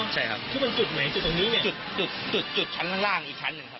จุดจุดจุดจุดชั้นล่างอีกชั้นหนึ่งครับ